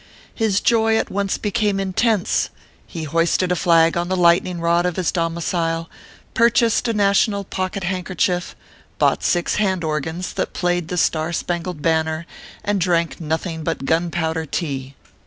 His joy at once became intense ; he hoisted a flag on the lightning rod of his domicil, purchased a national pocket handkerchief, bought six hand organs that played the Star Spangled Banner, and drank nothing but gunpowder tea.